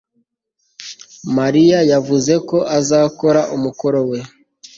mariya yavuze ko azakora umukoro we